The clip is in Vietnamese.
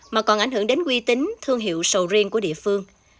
mà còn ảnh hưởng đến quy tính thương hiệu sầu riêng của địa phương